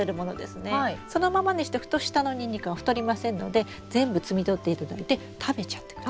そのままにしとくと下のニンニクが太りませんので全部摘み取っていただいて食べちゃってください。